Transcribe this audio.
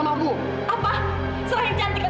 enggak aku gak percaya